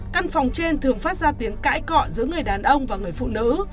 căn phòng trên thường phát ra tiếng cãi cọ giữa người đàn ông và người phụ nữ